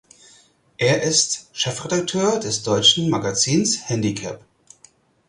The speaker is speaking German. Er ist Chefredakteur des deutschen Magazins "Handicap".